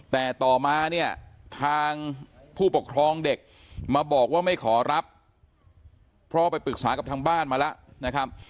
แต่ต่อมาเนี่ยทางผู้ปกครองเด็กมาบอกว่าไม่ขอรับเพราะไปปรึกษากับทางบ้านมาแล้วนะครับ